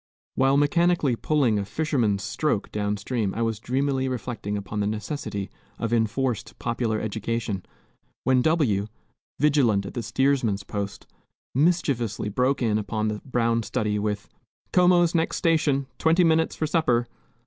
While mechanically pulling a "fisherman's stroke" down stream I was dreamily reflecting upon the necessity of enforced popular education, when W , vigilant at the steersman's post, mischievously broke in upon the brown study with, "Como's next station! Twenty minutes for supper!"